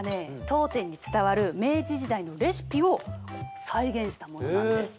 当店に伝わる明治時代のレシピを再現したものなんです。